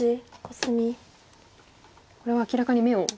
これは明らかに眼を。